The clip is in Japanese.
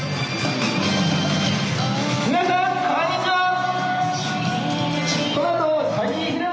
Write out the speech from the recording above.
皆さんこんにちは！